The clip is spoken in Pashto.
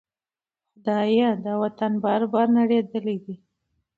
خدایه! دا وطن بار بار دی نړیدلی